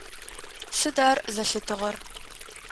Сыд ар зэлъытыгъэр?